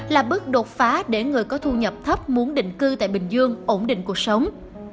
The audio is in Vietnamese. là bước đột phá để người có thu nhập thấp muốn định cư tại bình dương ổn định cuộc sống